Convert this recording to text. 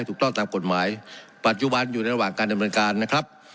ถูกต้องตามกฎหมายปัจจุบันอยู่ในระหว่างการดำเนินการนะครับ